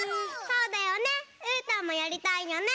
そうだよねうーたんもやりたいよね。